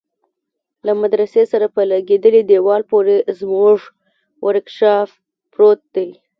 له مدرسه سره په لگېدلي دېوال پورې زموږ ورکشاپ پروت دى.